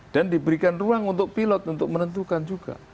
dan diberikan ruang untuk pilot untuk menentukan juga